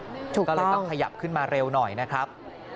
ถูกต้องคุณผู้ชมครับก็เลยต้องขยับขึ้นมาเร็วหน่อยนะครับ